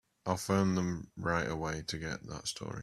I'll phone them right away to get that story.